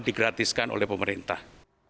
digratiskan oleh pemerintah